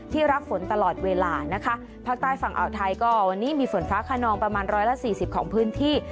รับฝนตลอดเวลานะคะภาคใต้ฝั่งอ่าวไทยก็วันนี้มีฝนฟ้าขนองประมาณร้อยละสี่สิบของพื้นที่